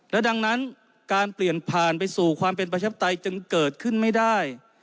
และดังนั้นการเปลี่ยนผ่านไปสู่ความเป็นประชาปไตยจึงเกิดขึ้นไม่ได้